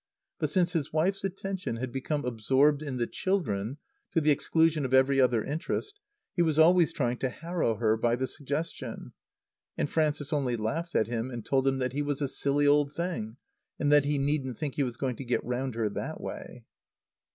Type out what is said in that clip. But since his wife's attention had become absorbed in the children to the exclusion of every other interest he was always trying to harrow her by the suggestion. And Frances only laughed at him and told him that he was a silly old thing, and that he needn't think he was going to get round her that way.